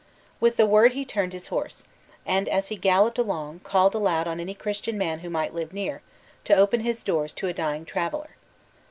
With the word he turned his horse, and as he galloped along, called aloud on any Christian man who might live near, to open his doors to a dying traveler!